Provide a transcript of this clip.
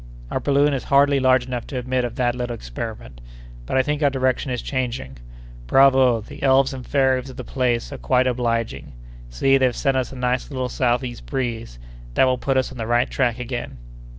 "Our balloon is hardly large enough to admit of that little experiment—but I think our direction is changing. Bravo!—the elves and fairies of the place are quite obliging. See, they've sent us a nice little southeast breeze, that will put us on the right track again."